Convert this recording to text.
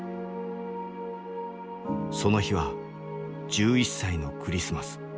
その日は１１歳のクリスマス。